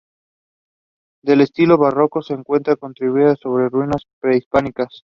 De estilo barroco, se encuentra construida sobre ruinas prehispánicas.